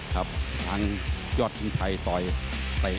ที่สงชัยมิตซู